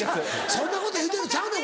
そんなこと言うてるちゃうねん！